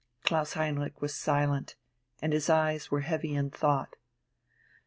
Klaus Heinrich was silent, and his eyes were heavy in thought.